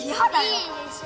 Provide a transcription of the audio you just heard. いいでしょ！